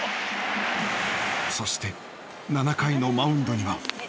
そして７回のマウンドには。